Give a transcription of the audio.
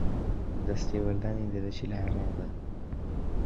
دەستێوەردانی دەرەکی لە عێراقدا